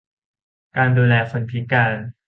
การดูแลคนพิการ